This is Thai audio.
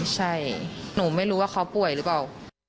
ใช่หนูไม่รู้ว่าเขาป่วยหรือเปล่า